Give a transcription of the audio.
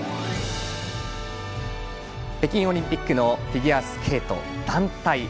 北京オリンピックのフィギュアスケート団体。